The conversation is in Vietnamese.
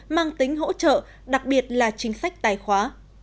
mang tính hỗ trợ đặc biệt là chính sách tài khoá